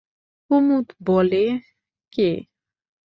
কুমুদ বলে, কে?